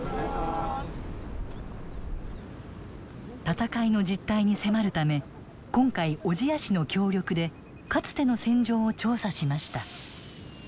戦いの実態に迫るため今回小千谷市の協力でかつての戦場を調査しました。